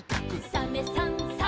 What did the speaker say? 「サメさんサバさん」